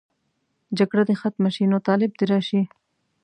جګړه دې ختمه شي، نو طالب دې راشي.